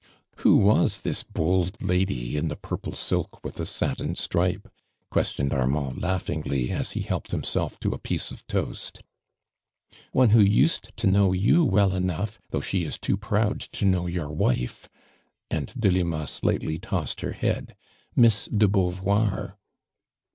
" Who was this bold lady in the purple silk with a satin stripe?" questioned Armand laughingly, as he helped himself to a piece of toast. " One who used to know you well enough, though she is too proud to know your wife," and Delima slightly tossed her head. " Miss do Beauvoir."